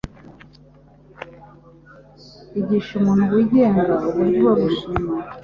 Igisha umuntu wigenga uburyo bwo gushima.